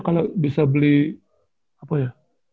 kalau bisa beli apa ya